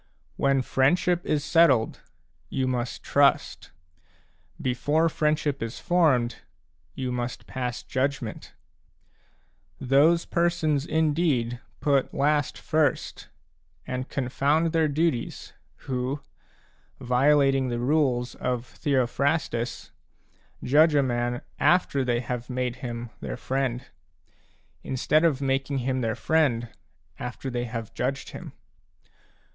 When friendship is settled, you must trust; before friendship is formed, you must pass judgment. Those persons indeed put last first and confound their duties, who, violating the rules of Theophrastus, 6 judge a man after they have made him their friend, instead of making him their friend after they have judged him.